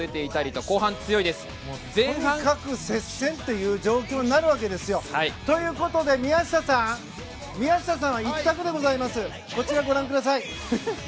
とにかく接戦という状況になるわけですよ。ということで宮下さん宮下さんは一択でございます。